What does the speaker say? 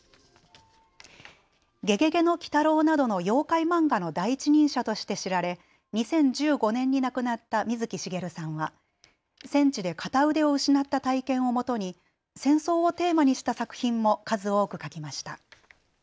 ゲゲゲの鬼太郎などの妖怪漫画の第一人者として知られ２０１５年に亡くなった水木しげるさんは戦地で片腕を失った体験をもとに戦争をテーマにした作品も数多く描きました。